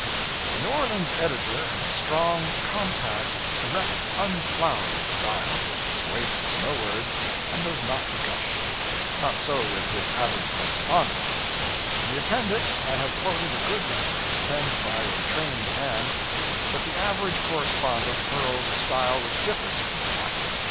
The New Orleans editor has a strong, compact, direct, unflowery style; wastes no words, and does not gush. Not so with his average correspondent. In the Appendix I have quoted a good letter, penned by a trained hand; but the average correspondent hurls a style which differs from that.